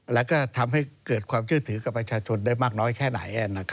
แล้วก็ทำให้เกิดความเชื่อถือกับประชาชนได้มากน้อยแค่ไหน